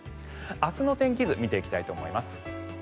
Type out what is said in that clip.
明日の天気図見ていきたいと思います。